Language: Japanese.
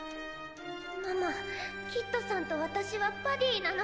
ママキッドさんと私はバディなの。